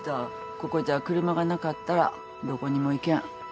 ここじゃ車がなかったらどこにも行けん。